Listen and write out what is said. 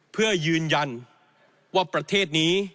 เพื่อยืนยันว่าประเทศนี้